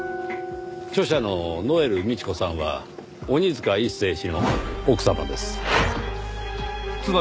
著者のノエル美智子さんは鬼塚一誠氏の奥様です。